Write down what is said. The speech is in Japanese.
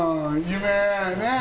夢